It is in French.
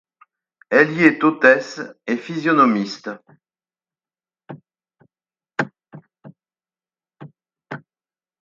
Elle y est hôtesse et physionomiste.